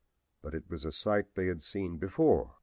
But it was a sight they had seen before.